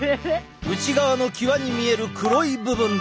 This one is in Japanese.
内側のキワに見える黒い部分だ。